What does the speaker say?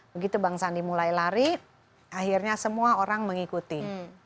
begitu bang sandi mulai lari akhirnya semua orang mengikuti